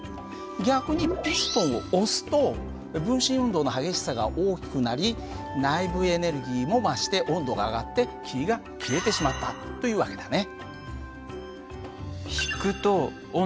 逆にピストンを押すと分子運動の激しさが大きくなり内部エネルギーも増して温度が上がって霧が消えてしまったという訳だね。